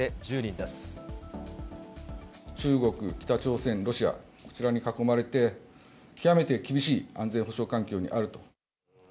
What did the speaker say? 中国、北朝鮮、ロシア、こちらに囲まれて、極めて厳しい安全保障環境にあると。